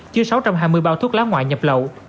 chứa sáu trăm hai mươi bao thuốc lá ngoại nhập lậu